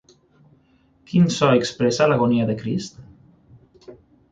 Quin so expressa l'agonia de Crist?